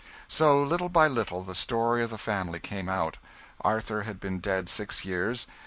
So, little by little, the story of the family came out. Arthur had been dead six years.